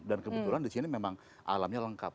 dan kebetulan di sini memang alamnya lengkap